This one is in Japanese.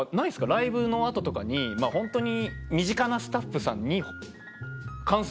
ライブの後とかにホントに身近なスタッフさんに感想。